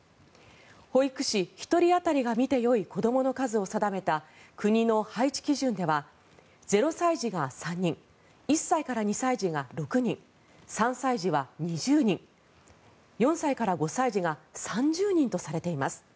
保育士１人当たりが見てよい子どもの数を定めた国の配置基準では０歳児が３人１歳から２歳児が６人３歳児は２０人４歳から５歳児が３０人とされています。